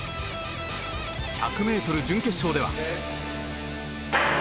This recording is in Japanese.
１００ｍ準決勝では。